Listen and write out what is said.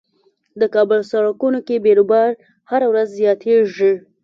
د کابل سړکونو کې بیروبار هر ورځ زياتيږي.